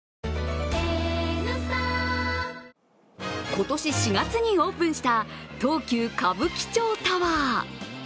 今年４月にオープンした東急歌舞伎町タワー。